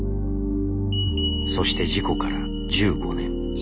そして事故から１５年。